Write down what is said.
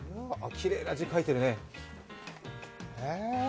きれいな字で書いてるね。